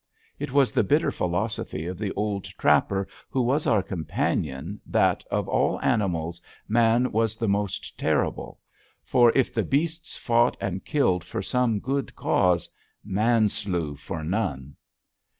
It was the bitter philosophy of the old trapper who was our companion that of all animals Man was the most terrible; for if the beasts fought and killed for some good cause Man slew for none.